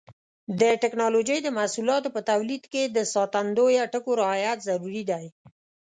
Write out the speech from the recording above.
د ټېکنالوجۍ د محصولاتو په تولید کې د ساتندویه ټکو رعایت ضروري دی.